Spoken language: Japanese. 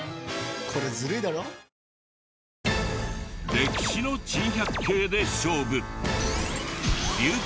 歴史の珍百景で勝負！